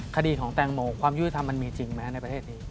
คดีของแตงโมความยุติธรรมมันมีจริงไหมในประเทศนี้